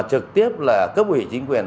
mà trực tiếp là cấp ủy chính quyền